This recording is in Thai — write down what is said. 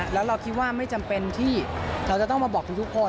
แล้วเราคิดว่าไม่จำเป็นที่เราจะต้องมาบอกทุกคน